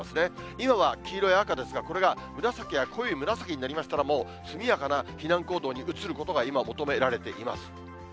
今は黄色や赤ですが、これが紫や濃い紫になりましたら、もう速やかな避難行動に移ることが今求められています。